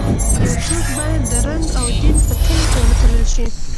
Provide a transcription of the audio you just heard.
یو څوک باید د رنګ او دین په تلې کې ونه تلل شي.